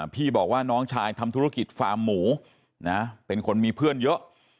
พี่บอกว่าน้องชายทำธุรกิจฟาร์มหมูนะเป็นคนมีเพื่อนเยอะ